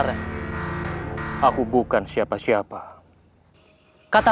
saya akan pergi